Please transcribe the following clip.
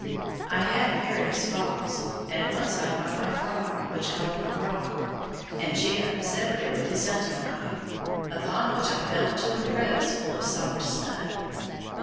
I had various falls, and once hung by my frock, which caught on a rock, and "Jim" severed it with his hunting knife, upon which I fell into a crevice full of soft snow.